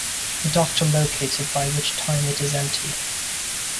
The Doctor locates it, by which time it is empty.